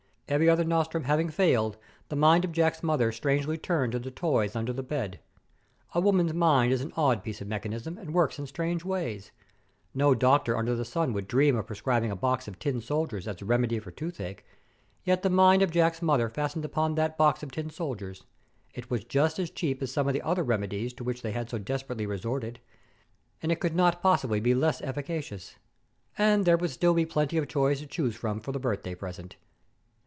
Every other nostrum having failed, the mind of Jack's mother strangely turned to the toys beneath the bed. A woman's mind is an odd piece of mechanism, and works in strange ways. No doctor under the sun would dream of prescribing a box of tin soldiers as a remedy for toothache; yet the mind of Jack's mother fastened upon that box of tin soldiers. It was just as cheap as some of the other remedies to which they had so desperately resorted; and it could not possibly be less efficacious. And there would still be plenty of toys to choose from for the birthday present.